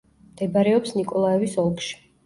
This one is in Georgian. მდებარეობს ნიკოლაევის ოლქში.